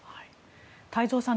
太蔵さん